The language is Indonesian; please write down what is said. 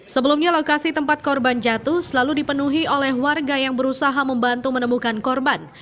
sebelumnya lokasi tempat korban jatuh selalu dipenuhi oleh warga yang berusaha membantu menemukan korban